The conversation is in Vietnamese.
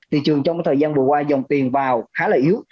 thị trường trong thời gian vừa qua dòng tiền vào khá là yếu